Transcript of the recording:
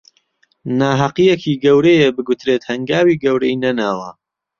ناهەقییەکی گەورەیە بگوترێت هەنگاوی گەورەی نەناوە